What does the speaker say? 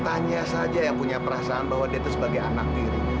tanya saja yang punya perasaan bahwa dia itu sebagai anak diri